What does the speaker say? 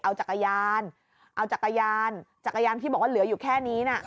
เอาจักรยานจักรยานที่บอกว่าเหลืออยู่แค่นี้นะ